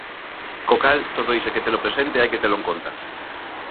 Co cal, todo iso hai que telo presente e hai que telo en conta.